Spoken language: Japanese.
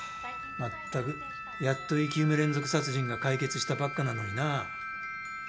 まったくやっと生き埋め連続殺人が解決したばっかなのにな。